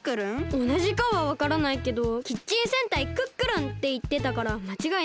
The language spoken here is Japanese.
おなじかはわからないけど「キッチン戦隊クックルン！」っていってたからまちがいない。